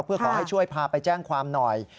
เพื่อขอให้ช่วยพาไปแจ้งความหน่อย